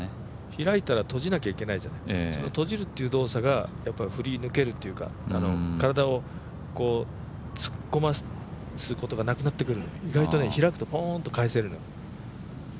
開いたら閉じないといけないじゃない、その閉じるっていう動作が振り抜けるというか、体を突っ込ませることがなくなってくる、意外と開くとポーンと返せるの。